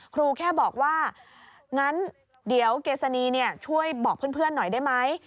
ครูแค่บอกว่างั้นเดี๋ยวเกษณีช่วยบอกเพื่อนหน่อยได้ไหม